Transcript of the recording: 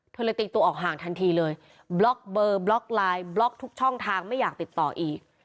เลยตีตัวออกห่างทันทีเลยบล็อกเบอร์บล็อกไลน์บล็อกทุกช่องทางไม่อยากติดต่ออีก